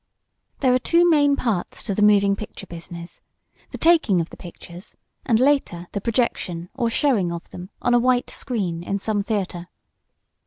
There are two main parts to the moving picture business the taking of the pictures and later the projection, or showing, of them on a white screen in some theatre.